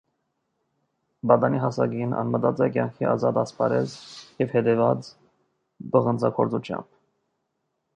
Պատանի հասակին, ան մտած է կեանքի ազատ ասպարէզ եւ հետեւած՝ պղնձագործութեամբ։